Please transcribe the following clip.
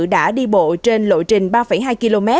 đã đi bộ trên lội trình ba hai km